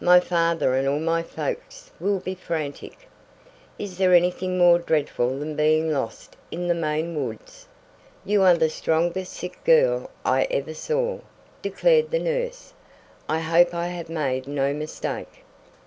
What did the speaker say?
My father and all my folks will be frantic. Is there anything more dreadful than being lost in the Maine woods!" "You are the strongest sick girl I ever saw," declared the nurse. "I hope I have made no mistake."